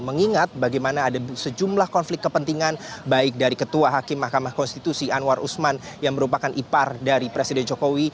mengingat bagaimana ada sejumlah konflik kepentingan baik dari ketua hakim mahkamah konstitusi anwar usman yang merupakan ipar dari presiden jokowi